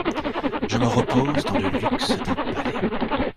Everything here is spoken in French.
Je me repose dans le luxe d'un palais.